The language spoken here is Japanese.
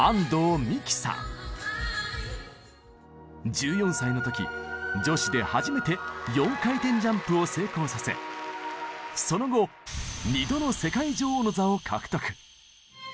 １４歳の時女子で初めて４回転ジャンプを成功させその後２度の世界女王の座を獲得！